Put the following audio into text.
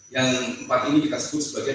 yang empat ini kita sebut sebagai